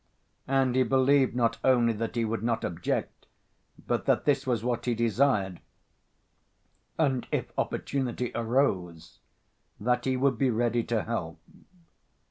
And he believed not only that he would not object, but that this was what he desired, and, if opportunity arose, that he would be ready to help.